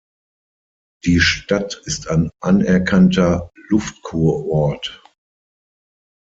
Die Stadt ist ein anerkannter Luftkurort.